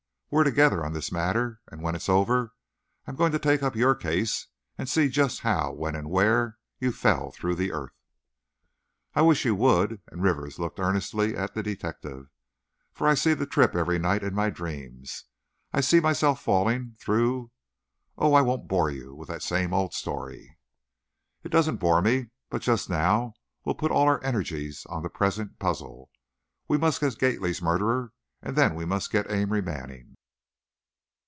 We're together on this matter. And when it's over, I'm going to take up your case, and see just how, when, and where you fell through the earth." "I wish you would," and Rivers looked earnestly at the detective, "for I see that trip every night in my dreams. I see myself falling through oh, I won't bore you with that same old story!" "It doesn't bore me, but just now we'll put all our energies on the present puzzle. We must get Gately's murderer, and then we must get Amory Manning."